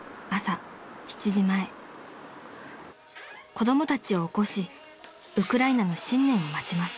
［子供たちを起こしウクライナの新年を待ちます］